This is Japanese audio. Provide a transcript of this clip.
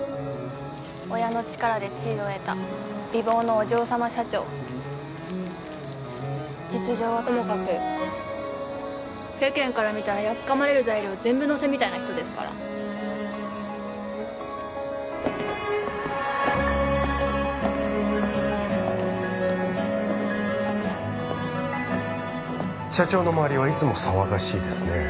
親の力で地位を得た美貌のお嬢様社長実情はともかく世間から見たらやっかまれる材料全部乗せみたいな人ですから社長の周りはいつも騒がしいですね